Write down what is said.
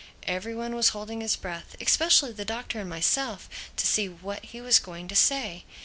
Every one was holding his breath, especially the Doctor and myself, to see what he was going to say.